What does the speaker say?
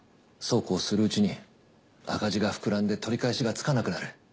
そうこうするうちに赤字が膨らんで取り返しがつかなくなる。